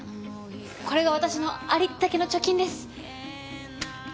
これが私のありったけの貯金です。